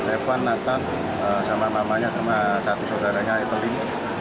evan nathan sama mamanya sama satu saudaranya itu lima